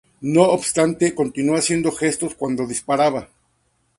No obstante, continuó haciendo gestos cuando disparaba.